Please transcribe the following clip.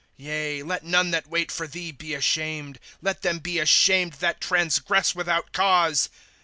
^ Yea, let none that wait for thee be ashamed ; Let them be ashamed that transgress without cause.